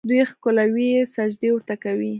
دوی ښکلوي یې، سجدې ورته کوي.